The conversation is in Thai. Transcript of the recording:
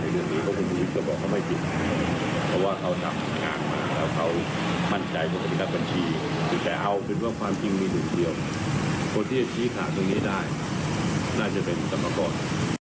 เราพักกันสักครู่ก่อนคุณผู้ชมค่ะ